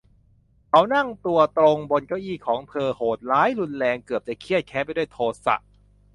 เขานั่งตัวตรงบนเก้าอี้ของเธอ โหดร้ายรุนแรง เกือบจะเคียดแค้นไปด้วยโทสะ